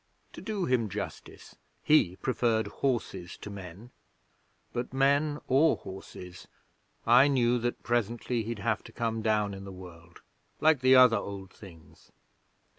To do him justice, he preferred horses to men; but men or horses, I knew that presently he'd have to come down in the world like the other Old Things.